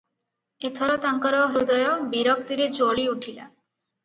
ଏଥର ତାଙ୍କର ହୃଦୟ ବିରକ୍ତିରେ ଜ୍ୱଳି ଉଠିଲା ।